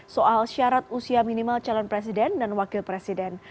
soal syarat usia minimal calon presiden dan wakil presiden